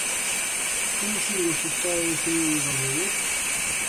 Como xulgas o estado de saúde do galego?